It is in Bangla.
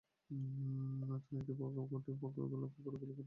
তখন একটি পক্ষ আরেকটি পক্ষকে লক্ষ্য করে গুলি ছুড়লে জামাল গুলিবিদ্ধ হন।